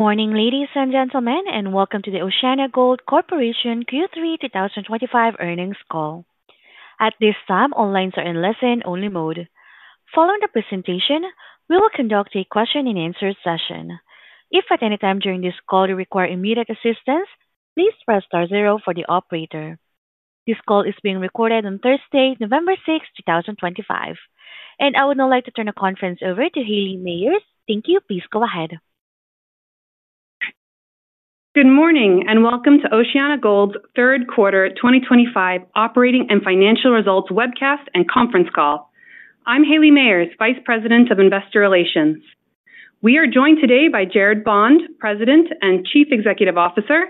Morning, ladies and gentlemen, and welcome to the OceanaGold Corporation Q3 2025 earnings call. At this time, all lines are in listen-only mode. Following the presentation, we will conduct a question-and-answer session. If at any time during this call you require immediate assistance, please press star zero for the operator. This call is being recorded on Thursday, November 6, 2025. I would now like to turn the conference over to Haley Mayers. Thank you. Please go ahead. Good morning and welcome to OceanaGold's Third Quarter 2025 Operating and Financial Results Webcast and Conference Call. I'm Haley Mayers, Vice President of Investor Relations. We are joined today by Gerard Bond, President and Chief Executive Officer,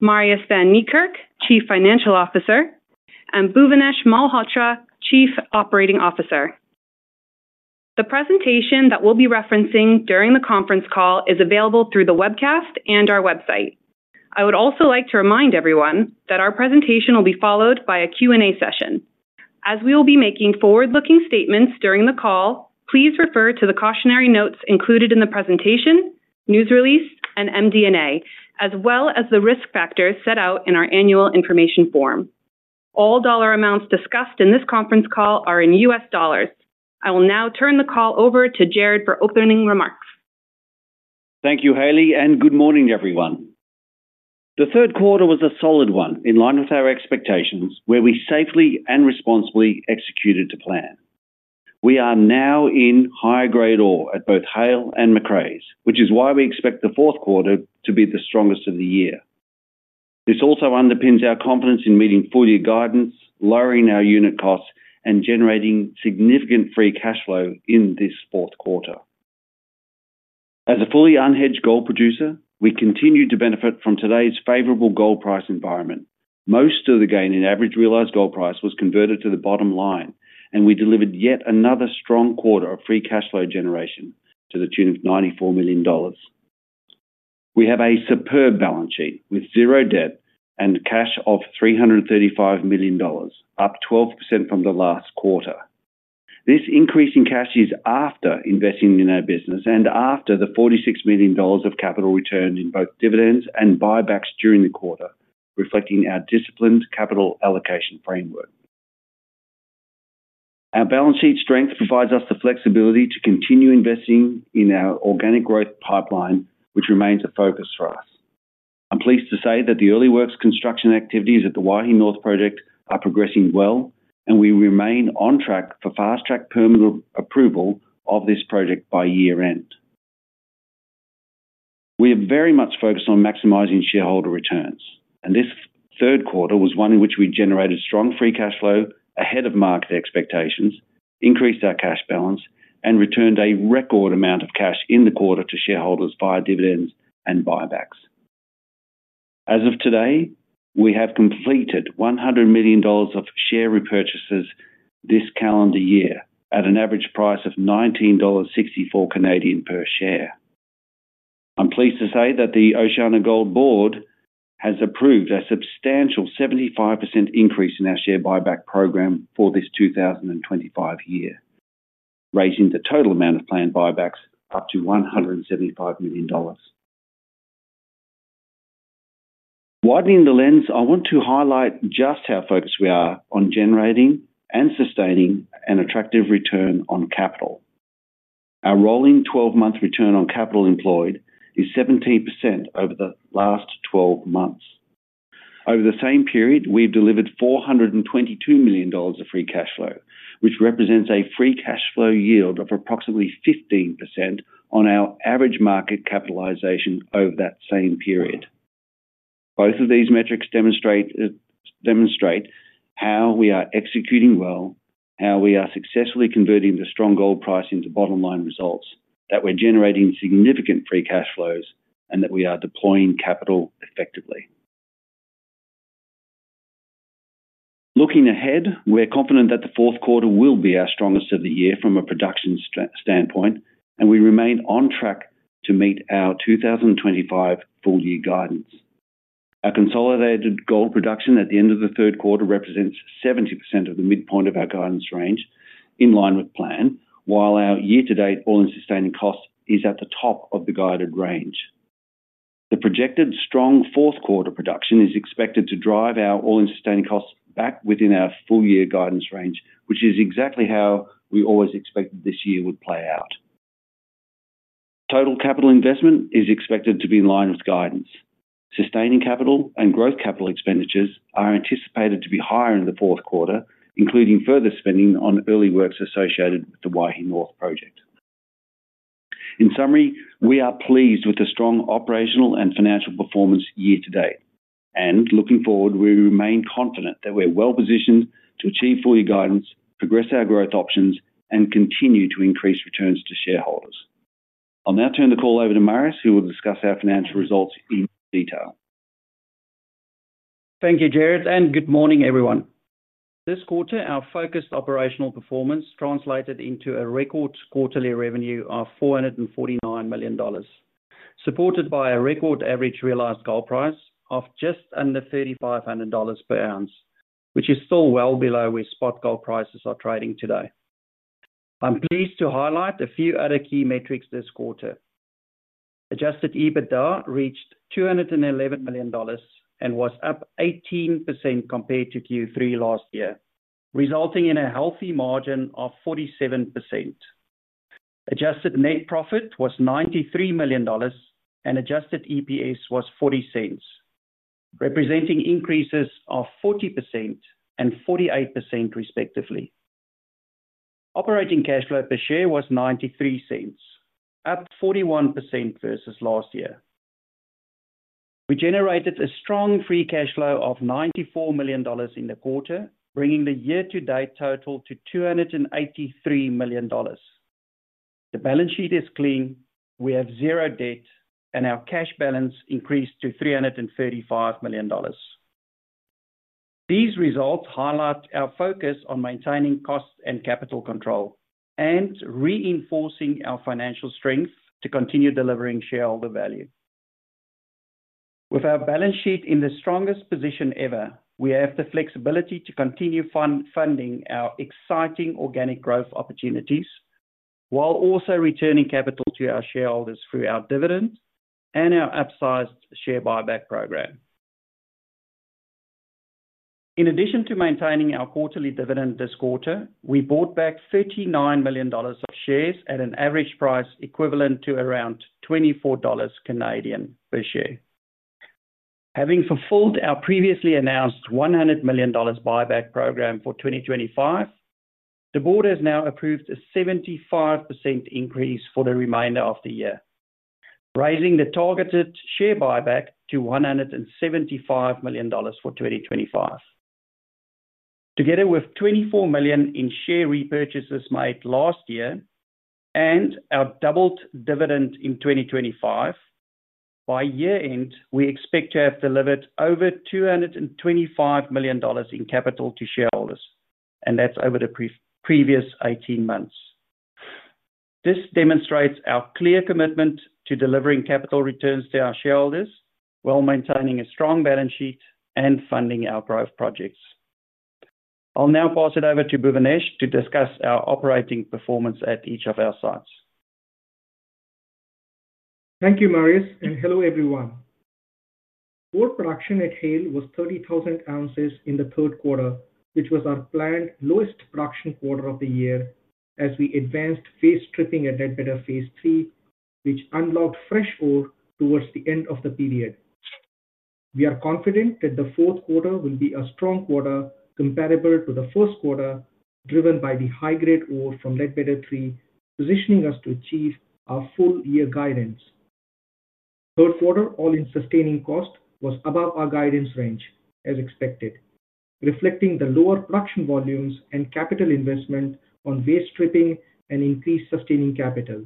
Marius van Niekerk, Chief Financial Officer, and Bhuvanesh Malhotra, Chief Operating Officer. The presentation that we'll be referencing during the conference call is available through the webcast and our website. I would also like to remind everyone that our presentation will be followed by a Q&A session. As we will be making forward-looking statements during the call, please refer to the cautionary notes included in the presentation, news release, and MD&A, as well as the risk factors set out in our annual information form. All dollar amounts discussed in this conference call are in U.S. dollars. I will now turn the call over to Gerard for opening remarks. Thank you, Haley, and good morning, everyone. The third quarter was a solid one in line with our expectations, where we safely and responsibly executed the plan. We are now in high-grade ore at both Haile and Macraes, which is why we expect the fourth quarter to be the strongest of the year. This also underpins our confidence in meeting full-year guidance, lowering our unit costs, and generating significant free cash flow in this fourth quarter. As a fully unhedged gold producer, we continue to benefit from today's favorable gold price environment. Most of the gain in average realized gold price was converted to the bottom line, and we delivered yet another strong quarter of free cash flow generation to the tune of $94 million. We have a superb balance sheet with zero debt and cash of $335 million, up 12% from the last quarter. This increase in cash is after investing in our business and after the $46 million of capital returned in both dividends and buybacks during the quarter, reflecting our disciplined capital allocation framework. Our balance sheet strength provides us the flexibility to continue investing in our organic growth pipeline, which remains a focus for us. I'm pleased to say that the early works construction activities at the Waihi North project are progressing well, and we remain on track for fast-track permit approval of this project by year-end. We are very much focused on maximizing shareholder returns, and this third quarter was one in which we generated strong free cash flow ahead of market expectations, increased our cash balance, and returned a record amount of cash in the quarter to shareholders via dividends and buybacks. As of today, we have completed 100 million dollars of share repurchases this calendar year at an average price of 19.64 Canadian dollars per share. I'm pleased to say that the OceanaGold Board has approved a substantial 75% increase in our share buyback program for this 2025 year, raising the total amount of planned buybacks up to 175 million dollars. Widening the lens, I want to highlight just how focused we are on generating and sustaining an attractive return on capital. Our rolling 12-month return on capital employed is 17% over the last 12 months. Over the same period, we've delivered $422 million of free cash flow, which represents a free cash flow yield of approximately 15% on our average market capitalization over that same period. Both of these metrics demonstrate. How we are executing well, how we are successfully converting the strong gold price into bottom-line results, that we're generating significant free cash flows, and that we are deploying capital effectively. Looking ahead, we're confident that the fourth quarter will be our strongest of the year from a production standpoint, and we remain on track to meet our 2025 full-year guidance. Our consolidated gold production at the end of the third quarter represents 70% of the midpoint of our guidance range, in line with plan, while our year-to-date all-in sustaining cost is at the top of the guided range. The projected strong fourth quarter production is expected to drive our all-in sustaining costs back within our full-year guidance range, which is exactly how we always expected this year would play out. Total capital investment is expected to be in line with guidance. Sustaining capital and growth capital expenditures are anticipated to be higher in the fourth quarter, including further spending on early works associated with the Waihi North project. In summary, we are pleased with the strong operational and financial performance year to date, and looking forward, we remain confident that we're well positioned to achieve full-year guidance, progress our growth options, and continue to increase returns to shareholders. I'll now turn the call over to Marius, who will discuss our financial results in detail. Thank you, Gerard, and good morning, everyone. This quarter, our focused operational performance translated into a record quarterly revenue of $449 million, supported by a record average realized gold price of just under $3,500 per ounce, which is still well below where spot gold prices are trading today. I'm pleased to highlight a few other key metrics this quarter. Adjusted EBITDA reached $211 million and was up 18% compared to Q3 last year, resulting in a healthy margin of 47%. Adjusted net profit was $93 million, and adjusted EPS was $0.40. Representing increases of 40% and 48%, respectively. Operating cash flow per share was $0.93. Up 41% versus last year. We generated a strong free cash flow of $94 million in the quarter, bringing the year-to-date total to $283 million. The balance sheet is clean. We have zero debt, and our cash balance increased to $335 million. These results highlight our focus on maintaining cost and capital control and reinforcing our financial strength to continue delivering shareholder value. With our balance sheet in the strongest position ever, we have the flexibility to continue funding our exciting organic growth opportunities while also returning capital to our shareholders through our dividend and our upsized share buyback program. In addition to maintaining our quarterly dividend this quarter, we bought back $39 million of shares at an average price equivalent to around 24 Canadian dollars per share. Having fulfilled our previously announced $100 million buyback program for 2025, the board has now approved a 75% increase for the remainder of the year, raising the targeted share buyback to $175 million for 2025. Together with $24 million in share repurchases made last year and our doubled dividend in 2025. By year-end, we expect to have delivered over $225 million in capital to shareholders, and that's over the previous 18 months. This demonstrates our clear commitment to delivering capital returns to our shareholders while maintaining a strong balance sheet and funding our growth projects. I'll now pass it over to Bhuvanesh to discuss our operating performance at each of our sites. Thank you, Marius, and hello, everyone. Our production at Haile was 30,000 oz in the third quarter, which was our planned lowest production quarter of the year as we advanced phase stripping at Ledbetter phase III, which unlocked fresh ore towards the end of the period. We are confident that the fourth quarter will be a strong quarter comparable to the first quarter, driven by the high-grade ore from Ledbetter 3, positioning us to achieve our full-year guidance. Third quarter all-in sustaining cost was above our guidance range, as expected, reflecting the lower production volumes and capital investment on waste stripping and increased sustaining capital.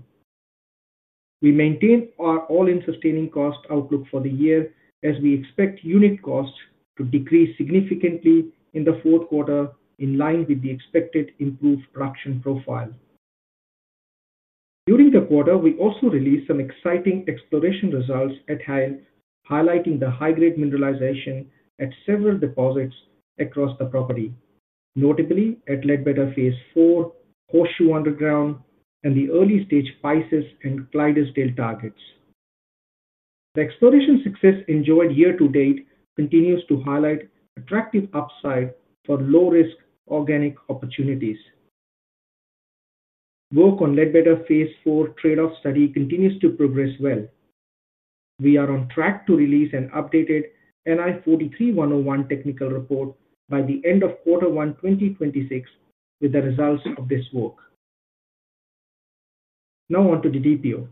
We maintain our all-in sustaining cost outlook for the year as we expect unit costs to decrease significantly in the fourth quarter, in line with the expected improved production profile. During the quarter, we also released some exciting exploration results at Haile, highlighting the high-grade mineralization at several deposits across the property, notably at Ledbetter phase IV, Horseshoe Underground, and the early-stage Pisces and Clyde's Dale targets. The exploration success enjoyed year-to-date continues to highlight attractive upside for low-risk organic opportunities. Work on Ledbetter phase IV trade-off study continues to progress well. We are on track to release an updated NI 43-101 technical report by the end of quarter one 2026 with the results of this work. Now on to Didipio.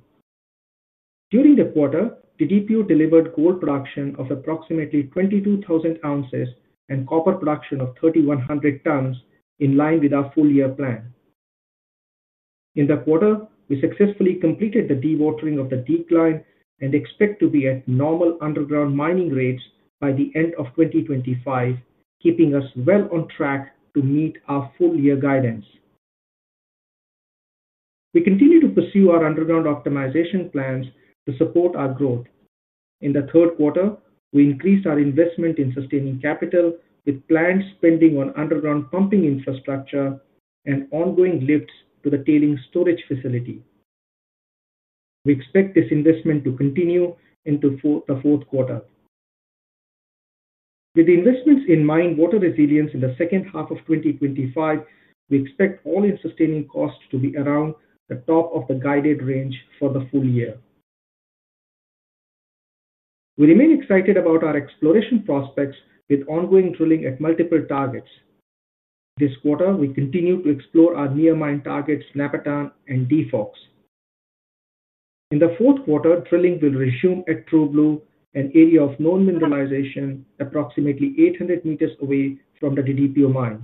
During the quarter, Didipio delivered gold production of approximately 22,000 oz and copper production of 3,100 tons, in line with our full-year plan. In the quarter, we successfully completed the dewatering of the decline and expect to be at normal underground mining rates by the end of 2025, keeping us well on track to meet our full-year guidance. We continue to pursue our underground optimization plans to support our growth. In the third quarter, we increased our investment in sustaining capital with planned spending on underground pumping infrastructure and ongoing lifts to the tailings storage facility. We expect this investment to continue into the fourth quarter. With the investments in mine water resilience in the second half of 2025, we expect all-in sustaining costs to be around the top of the guided range for the full year. We remain excited about our exploration prospects with ongoing drilling at multiple targets. This quarter, we continue to explore our near-mine targets, Napatan and Defox. In the fourth quarter, drilling will resume at True Blue, an area of known mineralization approximately 800 m away from the Didipio mine.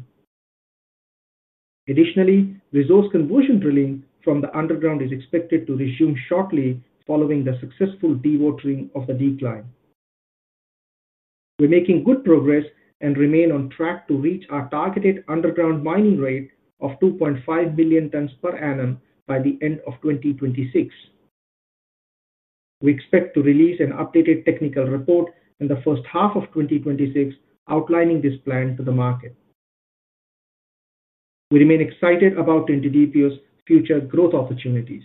Additionally, resource conversion drilling from the underground is expected to resume shortly following the successful dewatering of the decline. We're making good progress and remain on track to reach our targeted underground mining rate of 2.5 million tons per annum by the end of 2026. We expect to release an updated technical report in the first half of 2026, outlining this plan to the market. We remain excited about Didipio's future growth opportunities.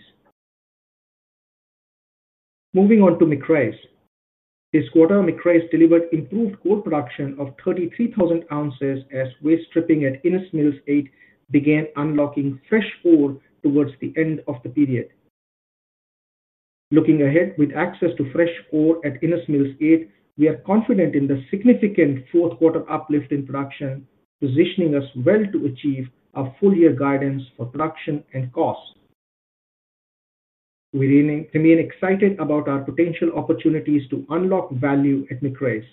Moving on to Macraes. This quarter, Macraes delivered improved gold production of 33,000 oz as waste stripping at Innes Mills 8 began unlocking fresh ore towards the end of the period. Looking ahead with access to fresh ore at Innes Mills 8, we are confident in the significant fourth-quarter uplift in production, positioning us well to achieve our full-year guidance for production and cost. We remain excited about our potential opportunities to unlock value at Macraes.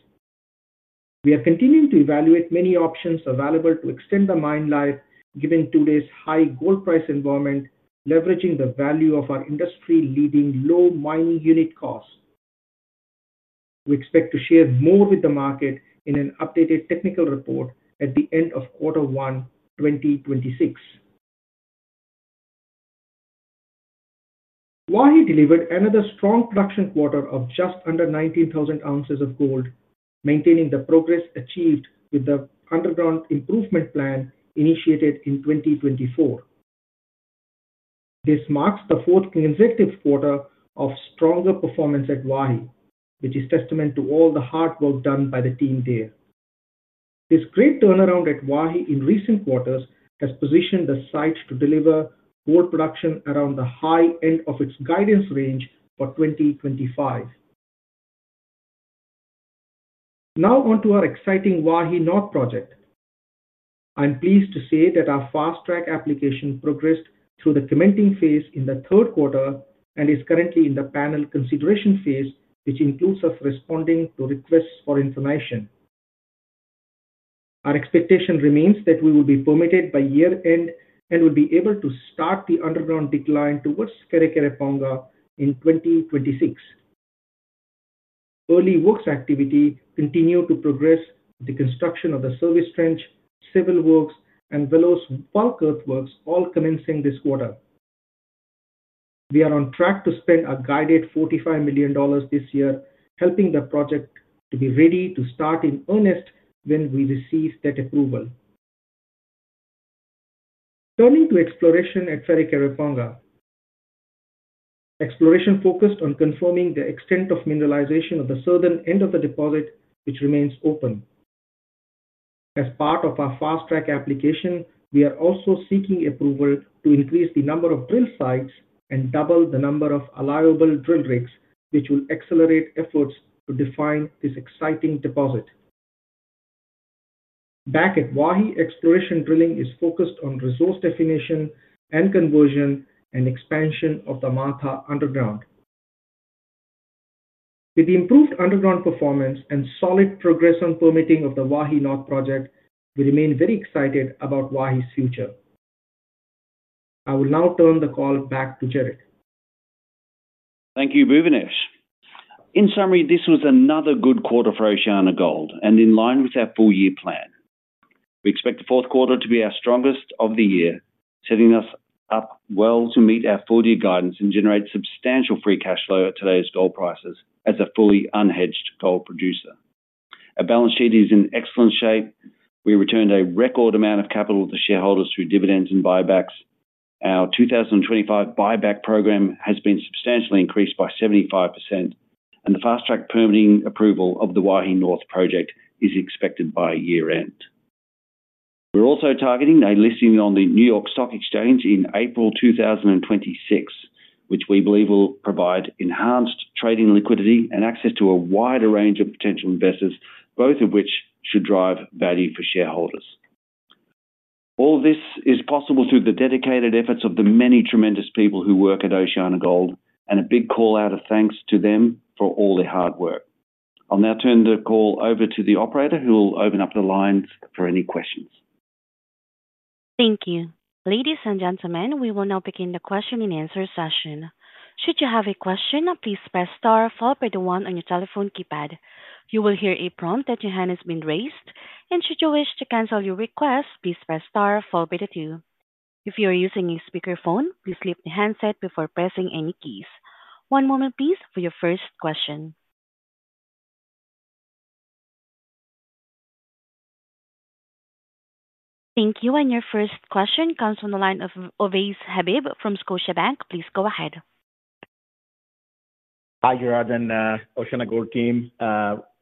We are continuing to evaluate many options available to extend the mine life, given today's high gold price environment, leveraging the value of our industry-leading low mining unit cost. We expect to share more with the market in an updated technical report at the end of quarter one 2026. Waihi delivered another strong production quarter of just under 19,000 oz of gold, maintaining the progress achieved with the underground improvement plan initiated in 2024. This marks the fourth consecutive quarter of stronger performance at Waihi, which is testament to all the hard work done by the team there. This great turnaround at Waihi in recent quarters has positioned the site to deliver gold production around the high end of its guidance range for 2025. Now on to our exciting Waihi North project. I'm pleased to say that our fast-track application progressed through the commenting phase in the third quarter and is currently in the panel consideration phase, which includes us responding to requests for information. Our expectation remains that we will be permitted by year-end and will be able to start the underground decline towards Wharekirauponga in 2026. Early works activity continued to progress with the construction of the service trench, civil works, and Willow's bulk earthworks, all commencing this quarter. We are on track to spend our guided $45 million this year, helping the project to be ready to start in earnest when we receive that approval. Turning to exploration at Wharekirauponga. Exploration focused on confirming the extent of mineralization of the southern end of the deposit, which remains open. As part of our fast-track application, we are also seeking approval to increase the number of drill sites and double the number of allowable drill rigs, which will accelerate efforts to define this exciting deposit. Back at Waihi, exploration drilling is focused on resource definition and conversion and expansion of the Martha Underground. With the improved underground performance and solid progress on permitting of the Waihi North project, we remain very excited about Waihi's future. I will now turn the call back to Gerard. Thank you, Bhuvanesh. In summary, this was another good quarter for OceanaGold, and in line with our full-year plan. We expect the fourth quarter to be our strongest of the year, setting us up well to meet our full-year guidance and generate substantial free cash flow at today's gold prices as a fully unhedged gold producer. Our balance sheet is in excellent shape. We returned a record amount of capital to shareholders through dividends and buybacks. Our 2025 buyback program has been substantially increased by 75%, and the fast-track permitting approval of the Waihi North project is expected by year-end. We're also targeting a listing on the New York Stock Exchange in April 2026, which we believe will provide enhanced trading liquidity and access to a wider range of potential investors, both of which should drive value for shareholders. All of this is possible through the dedicated efforts of the many tremendous people who work at OceanaGold, and a big call-out of thanks to them for all their hard work. I'll now turn the call over to the operator, who will open up the lines for any questions. Thank you. Ladies and gentlemen, we will now begin the question-and-answer session. Should you have a question, please press star followed by the one on your telephone keypad. You will hear a prompt that your hand has been raised. Should you wish to cancel your request, please press star followed by the two. If you are using a speakerphone, please lift the handset before pressing any keys. One moment, please, for your first question. Thank you. Your first question comes from the line of Ovais Habib from Scotiabank. Please go ahead. Hi, Gerard and OceanaGold team.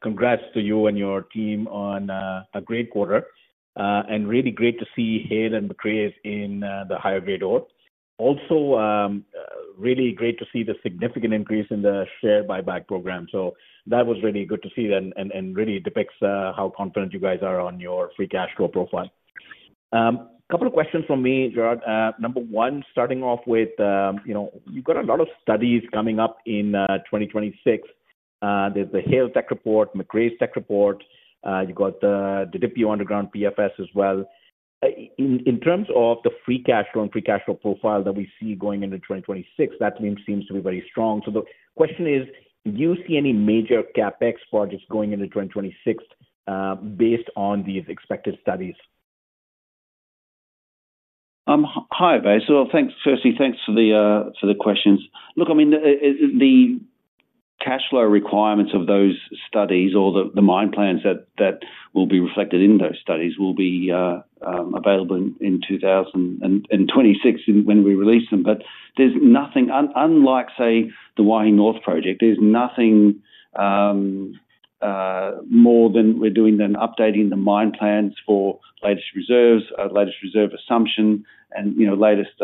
Congrats to you and your team on a great quarter. Really great to see Haile and Macraes in the higher-grade ore. Also, really great to see the significant increase in the share buyback program. That was really good to see, and really depicts how confident you guys are on your free cash flow profile. A couple of questions from me, Gerard. Number one, starting off with, you've got a lot of studies coming up in 2026. There's the Haile tech report, Macraes tech report. You've got the Didipio underground PFS as well. In terms of the free cash flow and free cash flow profile that we see going into 2026, that seems to be very strong. The question is, do you see any major CapEx projects going into 2026 based on these expected studies? Hi, Ovais. Firstly, thanks for the questions. Look, I mean, the cash flow requirements of those studies or the mine plans that will be reflected in those studies will be available in 2026 when we release them. There is nothing, unlike, say, the Waihi North project, there is nothing more than we're doing than updating the mine plans for latest reserves, latest reserve assumption, and latest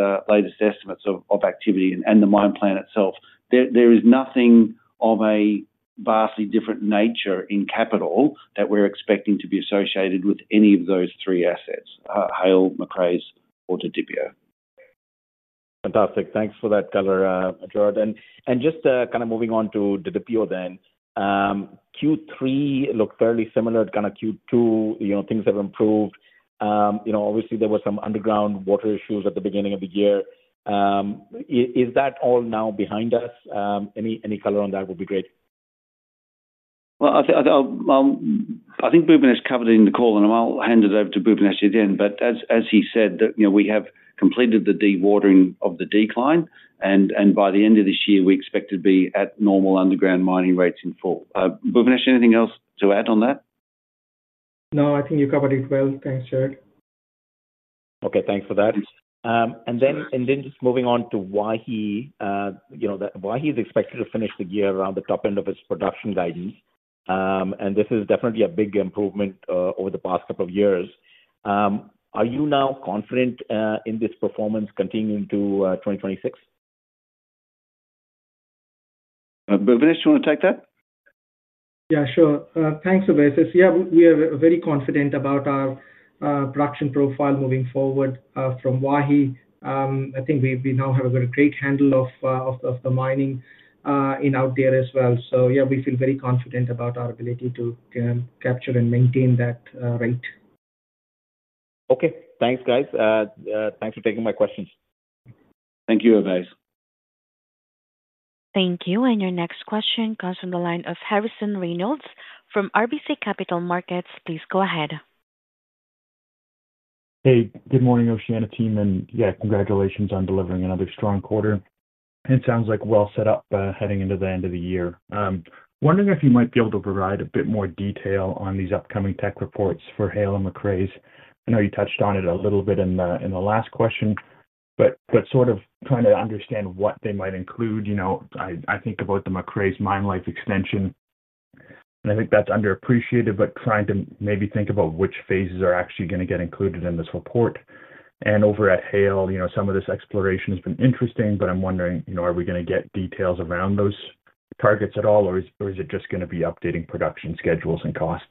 estimates of activity and the mine plan itself. There is nothing of a vastly different nature in capital that we're expecting to be associated with any of those three assets: Haile, Macraes, or Didipio. Fantastic. Thanks for that, Gerard. Just kind of moving on to DDPO then. Q3 looked fairly similar to kind of Q2. Things have improved. Obviously, there were some underground water issues at the beginning of the year. Is that all now behind us? Any color on that would be great. I think Bhuvanesh covered it in the call, and I'll hand it over to Bhuvanesh again. As he said, we have completed the dewatering of the decline, and by the end of this year, we expect to be at normal underground mining rates in full. Bhuvanesh, anything else to add on that? No, I think you covered it well. Thanks, Gerard. Okay, thanks for that. Just moving on to Waihi. Waihi is expected to finish the year around the top end of its production guidance. This is definitely a big improvement over the past couple of years. Are you now confident in this performance continuing to 2026? Bhuvanesh, do you want to take that? Yeah, sure. Thanks, Ovais. Yeah, we are very confident about our production profile moving forward from Waihi. I think we now have a great handle of the mining in out there as well. Yeah, we feel very confident about our ability to capture and maintain that rate. Okay, thanks, guys. Thanks for taking my questions. Thank you, Ovais. Thank you. Your next question comes from the line of Harrison Reynolds from RBC Capital Markets. Please go ahead. Hey, good morning, Oceana team. Yeah, congratulations on delivering another strong quarter. It sounds like well set up heading into the end of the year. Wondering if you might be able to provide a bit more detail on these upcoming tech reports for Haile and Macraes. I know you touched on it a little bit in the last question, but sort of trying to understand what they might include. I think about the Macraes mine life extension. I think that's underappreciated, but trying to maybe think about which phases are actually going to get included in this report. Over at Haile, some of this exploration has been interesting, but I'm wondering, are we going to get details around those targets at all, or is it just going to be updating production schedules and costs?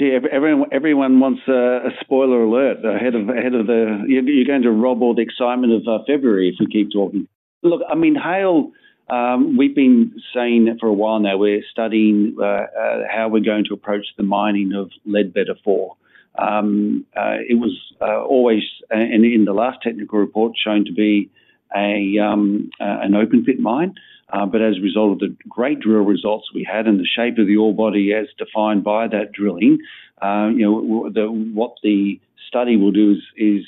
See, everyone wants a spoiler alert ahead of the—you are going to rob all the excitement of February if we keep talking. Look, I mean, Haile, we have been saying for a while now we are studying how we are going to approach the mining of Ledbetter A4. It was always, and in the last technical report, shown to be an open pit mine. As a result of the great drill results we had and the shape of the ore body as defined by that drilling. What the study will do is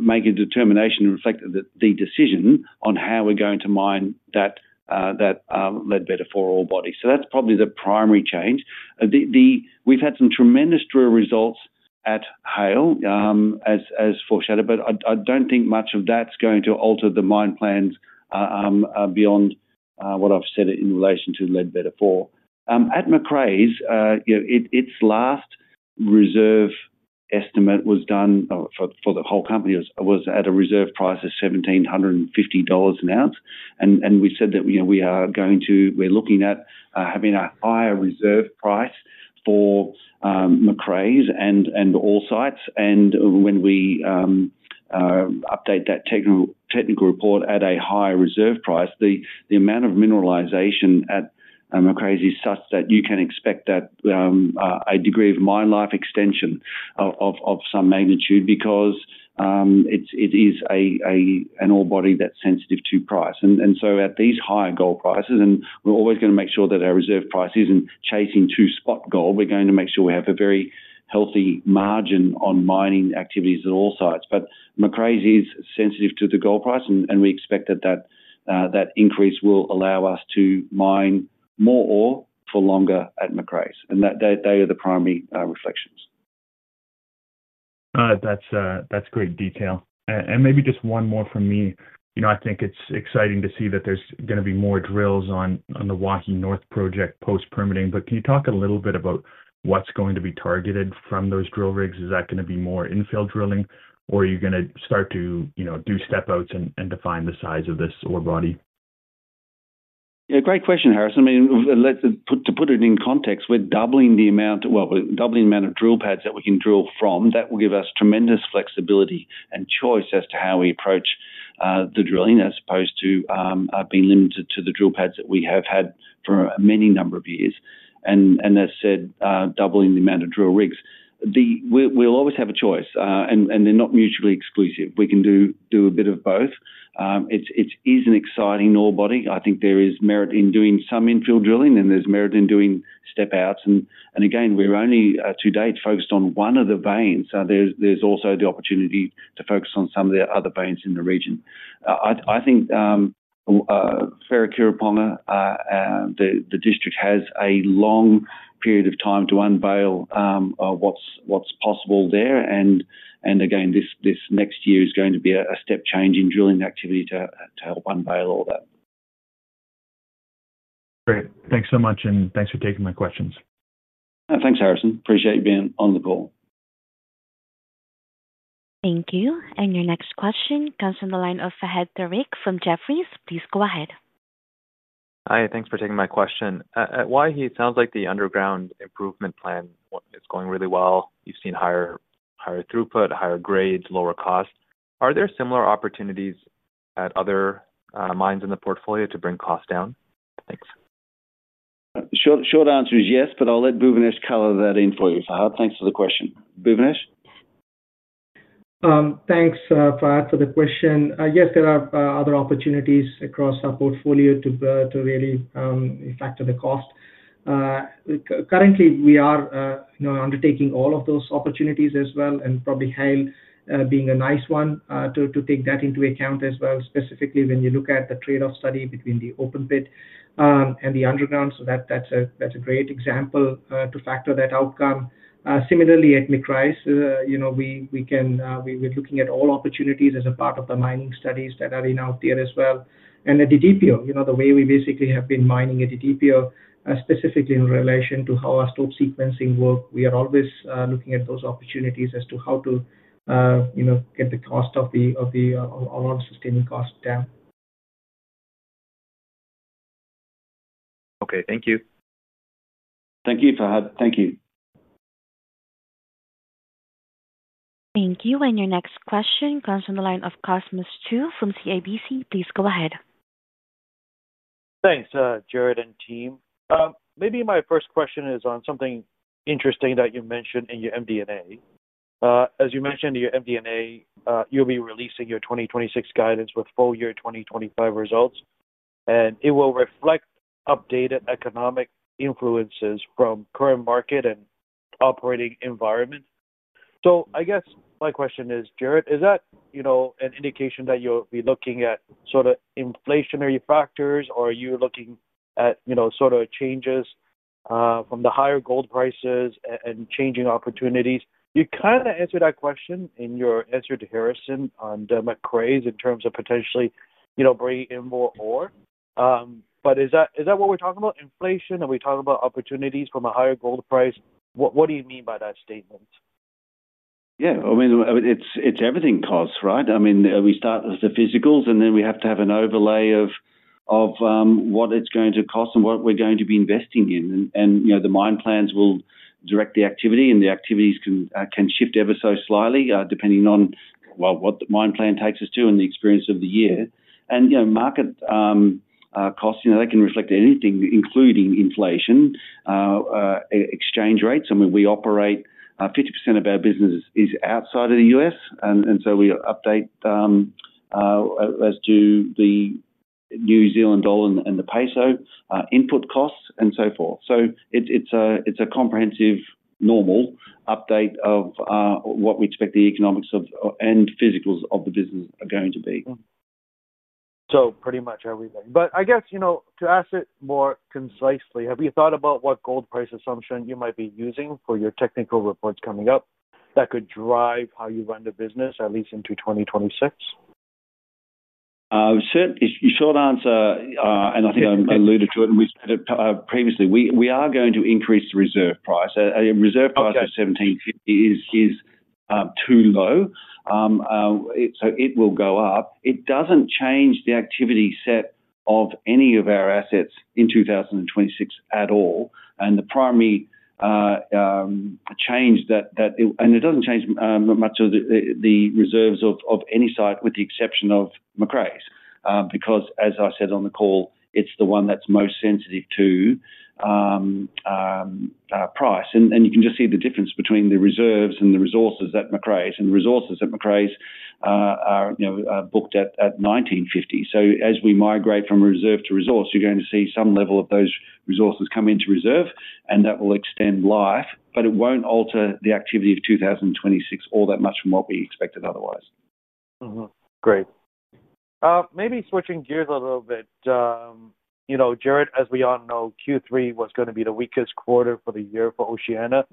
make a determination and reflect the decision on how we are going to mine that Ledbetter A4 ore body. That is probably the primary change. We have had some tremendous drill results at Haile as foreshadowed, but I do not think much of that is going to alter the mine plans beyond what I have said in relation to Ledbetter A4. At Macraes, its last reserve estimate was done for the whole company at a reserve price of $1,750 an ounce. We said that we are going to—we're looking at having a higher reserve price for Macraes and all sites. When we update that technical report at a higher reserve price, the amount of mineralization at Macraes is such that you can expect a degree of mine life extension of some magnitude because it is an ore body that's sensitive to price. At these higher gold prices, we're always going to make sure that our reserve price isn't chasing to spot gold. We're going to make sure we have a very healthy margin on mining activities at all sites. Macraes is sensitive to the gold price, and we expect that increase will allow us to mine more ore for longer at Macraes. They are the primary reflections. That's great detail. Maybe just one more from me. I think it's exciting to see that there's going to be more drills on the Waihi North project post-permitting. Can you talk a little bit about what's going to be targeted from those drill rigs? Is that going to be more infill drilling, or are you going to start to do step-outs and define the size of this ore body? Yeah, great question, Harrison. I mean, to put it in context, we're doubling the amount—we're doubling the amount of drill pads that we can drill from. That will give us tremendous flexibility and choice as to how we approach the drilling as opposed to being limited to the drill pads that we have had for many years. As said, doubling the amount of drill rigs. We'll always have a choice, and they're not mutually exclusive. We can do a bit of both. It is an exciting ore body. I think there is merit in doing some infill drilling, and there's merit in doing step-outs. Again, we're only to date focused on one of the veins. There is also the opportunity to focus on some of the other veins in the region. I think. Wharekirauponga. The district has a long period of time to unveil what's possible there. This next year is going to be a step change in drilling activity to help unveil all that. Great. Thanks so much, and thanks for taking my questions. Thanks, Harrison. Appreciate you being on the call. Thank you. Your next question comes from the line of Fahad Tariq from Jefferies. Please go ahead. Hi, thanks for taking my question. At Waihi, it sounds like the underground improvement plan is going really well. You've seen higher throughput, higher grades, lower cost. Are there similar opportunities at other mines in the portfolio to bring cost down? Thanks. Short answer is yes, but I'll let Bhuvanesh color that in for you. Thanks for the question. Bhuvanesh? Thanks, Fahad, for the question. Yes, there are other opportunities across our portfolio to really factor the cost. Currently, we are undertaking all of those opportunities as well, and probably Haile being a nice one to take that into account as well, specifically when you look at the trade-off study between the open pit and the underground. That is a great example to factor that outcome. Similarly, at Macraes, we're looking at all opportunities as a part of the mining studies that are out there as well. At Didipio, the way we basically have been mining at Didipio, specifically in relation to how our stope sequencing works, we are always looking at those opportunities as to how to get the cost of our own sustaining costs down. Okay, thank you. Thank you, Fahad. Thank you. Thank you. Your next question comes from the line of Cosmos Chiu from CIBC. Please go ahead. Thanks, Gerard and team. Maybe my first question is on something interesting that you mentioned in your MD&A. As you mentioned in your MD&A, you'll be releasing your 2026 guidance with full year 2025 results. It will reflect updated economic influences from the current market and operating environment. I guess my question is, Gerard, is that an indication that you'll be looking at sort of inflationary factors, or are you looking at sort of changes from the higher gold prices and changing opportunities? You kind of answered that question in your answer to Harrison on the Macraes in terms of potentially bringing in more ore. Is that what we're talking about? Inflation? Are we talking about opportunities from a higher gold price? What do you mean by that statement? Yeah, I mean, it's everything costs, right? I mean, we start with the physicals, and then we have to have an overlay of what it's going to cost and what we're going to be investing in. The mine plans will direct the activity, and the activities can shift ever so slightly depending on what the mine plan takes us to and the experience of the year. Market costs, they can reflect anything, including inflation, exchange rates. I mean, we operate 50% of our business is outside of the U.S., and we update as to the New Zealand dollar and the peso input costs and so forth. It is a comprehensive normal update of what we expect the economics and physicals of the business are going to be. Pretty much everything. I guess to ask it more concisely, have you thought about what gold price assumption you might be using for your technical reports coming up that could drive how you run the business, at least into 2026? Short answer, and I think I alluded to it, and we said it previously, we are going to increase the reserve price. Reserve price of $1,750 is too low. It will go up. It does not change the activity set of any of our assets in 2026 at all. The primary change that—it does not change much of the reserves of any site with the exception of Macraes. Because, as I said on the call, it is the one that is most sensitive to price. You can just see the difference between the reserves and the resources at Macraes. The resources at Macraes are booked at $1,950. As we migrate from reserve to resource, you are going to see some level of those resources come into reserve, and that will extend life. It will not alter the activity of 2026 all that much from what we expected otherwise. Great. Maybe switching gears a little bit. Gerard, as we all know, Q3 was going to be the weakest quarter for the year for OceanaGold.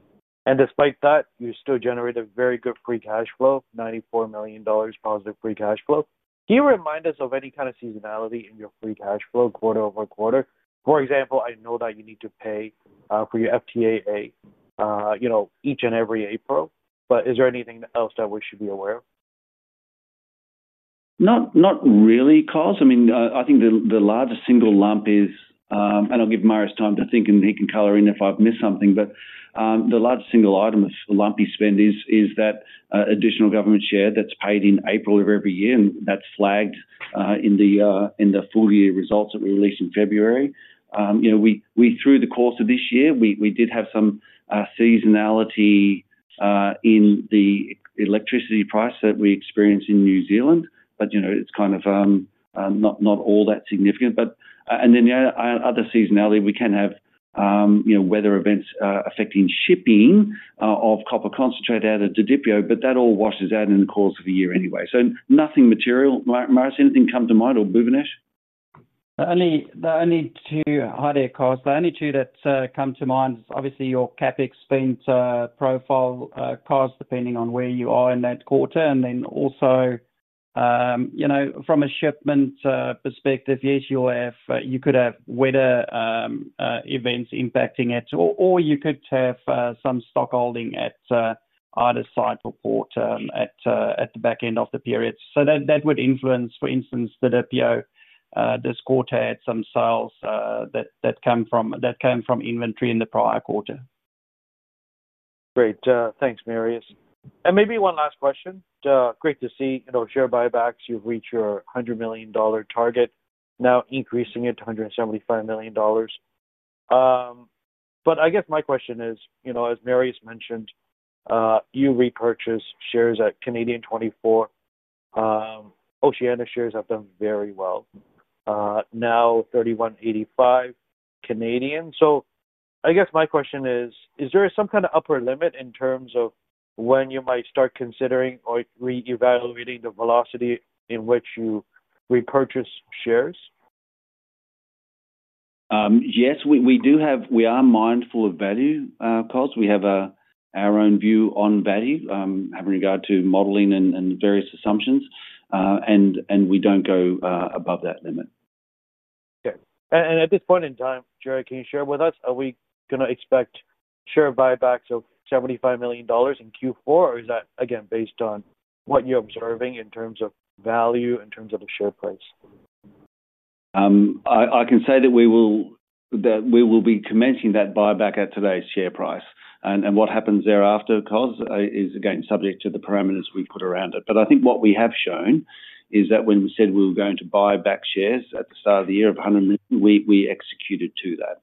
Despite that, you still generated very good free cash flow, $94 million positive free cash flow. Can you remind us of any kind of seasonality in your free cash flow quarter-over-quarter? For example, I know that you need to pay for your FTAA each and every April. Is there anything else that we should be aware of? Not really, Carlos. I mean, I think the largest single lump is, and I'll give Marius time to think, and he can color in if I've missed something, but the largest single item of lumpy spend is that additional government share that's paid in April of every year, and that's flagged in the full year results that we released in February. Through the course of this year, we did have some seasonality in the electricity price that we experience in New Zealand, but it's kind of not all that significant. And then the other seasonality, we can have weather events affecting shipping of copper concentrate out of Didipio, but that all washes out in the course of the year anyway. Nothing material. Marius, anything come to mind or Bhuvanesh? The only two—hi, there, Carlos. The only two that come to mind is obviously your CapEx spend profile cost depending on where you are in that quarter. Also, from a shipment perspective, yes, you could have weather events impacting it, or you could have some stock holding at either site or port at the back end of the period. That would influence, for instance, the DDPO this quarter had some sales that came from inventory in the prior quarter. Great. Thanks, Marius. Maybe one last question. Great to see share buybacks. You've reached your $100 million target, now increasing it to $175 million. I guess my question is, as Marius mentioned, you repurchased shares at 24. Oceana shares have done very well. Now, 3,185. I guess my question is, is there some kind of upper limit in terms of when you might start considering or reevaluating the velocity in which you repurchase shares? Yes, we are mindful of value, Carlos. We have our own view on value having regard to modeling and various assumptions. We do not go above that limit. Okay. At this point in time, Gerard, can you share with us, are we going to expect share buybacks of $75 million in Q4, or is that, again, based on what you're observing in terms of value, in terms of the share price? I can say that we will be commencing that buyback at today's share price. What happens thereafter, Carlos, is again subject to the parameters we put around it. I think what we have shown is that when we said we were going to buy back shares at the start of the year of $100 million, we executed to that.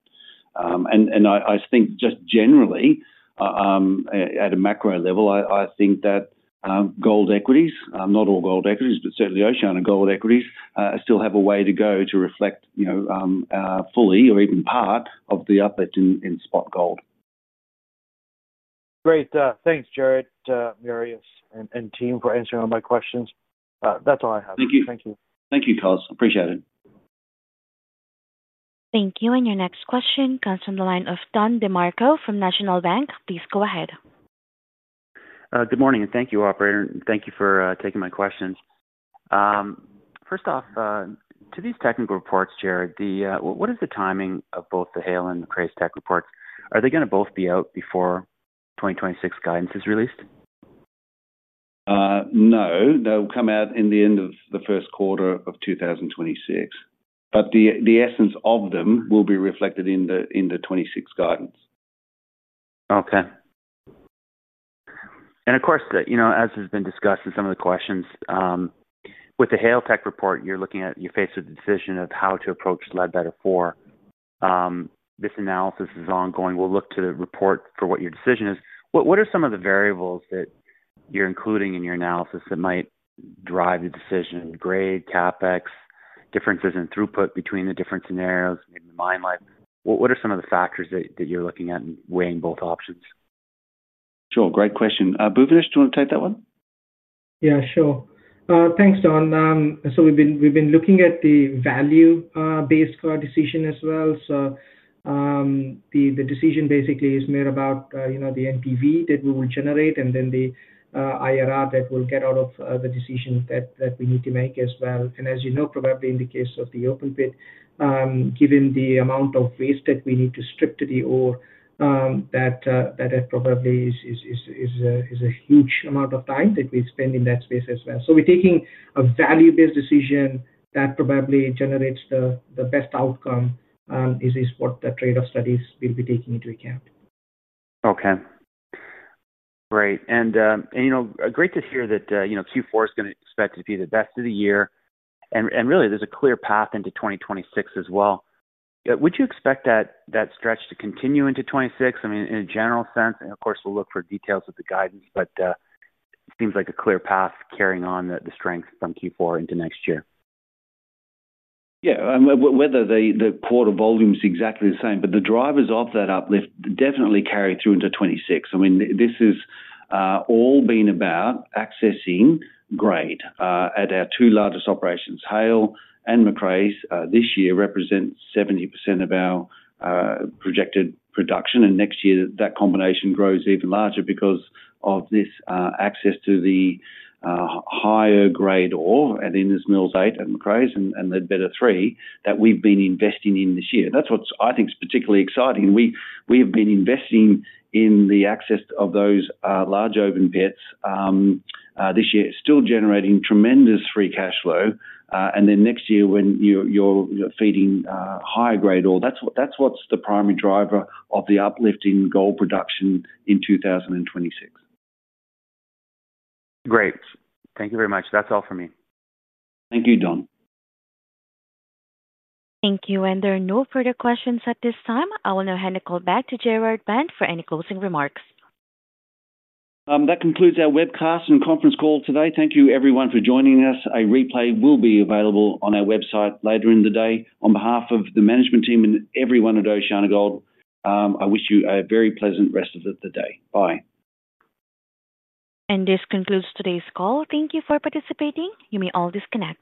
I think just generally, at a macro level, I think that gold equities, not all gold equities, but certainly OceanaGold equities still have a way to go to reflect fully or even part of the uplift in spot gold. Great. Thanks, Gerard, Marius, and team for answering all my questions. That's all I have. Thank you. Thank you. Thank you, Carlos. Appreciate it. Thank you. Your next question comes from the line of Don DeMarco from National Bank. Please go ahead. Good morning and thank you, operator. Thank you for taking my questions. First off, to these technical reports, Gerard, what is the timing of both the Haile and Macraes tech reports? Are they going to both be out before 2026 guidance is released? No, they'll come out in the end of the first quarter of 2026. The essence of them will be reflected in the 2026 guidance. Okay. Of course, as has been discussed in some of the questions, with the Haile technical report, you're faced with the decision of how to approach Ledbetter IV. This analysis is ongoing. We'll look to the report for what your decision is. What are some of the variables that you're including in your analysis that might drive the decision? Grade, CapEx, differences in throughput between the different scenarios, maybe the mine life? What are some of the factors that you're looking at in weighing both options? Sure. Great question. Bhuvanesh, do you want to take that one? Yeah, sure. Thanks, Don. We've been looking at the value-based decision as well. The decision basically is made about the NPV that we will generate and then the IRR that we'll get out of the decision that we need to make as well. As you know, probably in the case of the open pit, given the amount of waste that we need to strip to the ore, that probably is a huge amount of time that we spend in that space as well. We're taking a value-based decision that probably generates the best outcome, which is what the trade-off studies will be taking into account. Okay. Great. Great to hear that Q4 is going to expect to be the best of the year. Really, there's a clear path into 2026 as well. Would you expect that stretch to continue into 2026? I mean, in a general sense, and of course, we'll look for details of the guidance, but it seems like a clear path carrying on the strength from Q4 into next year. Yeah. Whether the quarter volume is exactly the same, but the drivers of that uplift definitely carry through into 2026. I mean, this has all been about accessing grade. At our two largest operations, Haile and Macraes, this year represents 70% of our projected production. And next year, that combination grows even larger because of this access to the higher grade ore at Innes Mills 8 and Macraes and Ledbetter III that we've been investing in this year. That's what I think is particularly exciting. We have been investing in the access of those large open pits. This year, still generating tremendous free cash flow. And then next year, when you're feeding higher grade ore, that's what's the primary driver of the uplift in gold production in 2026. Great. Thank you very much. That's all for me. Thank you, Don. Thank you. There are no further questions at this time. I will now hand the call back to Gerard Bond for any closing remarks. That concludes our webcast and conference call today. Thank you, everyone, for joining us. A replay will be available on our website later in the day. On behalf of the management team and everyone at OceanaGold, I wish you a very pleasant rest of the day. Bye. This concludes today's call. Thank you for participating. You may all disconnect.